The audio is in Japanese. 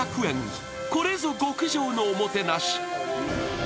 これぞ極上のおもてなし。